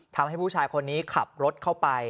ทำให้ผู้ชายคนนี้ขับรถเข้าไป